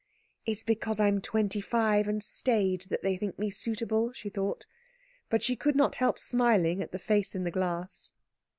"It's because I am twenty five and staid that they think me suitable," she thought; but she could not help smiling at the face in the glass.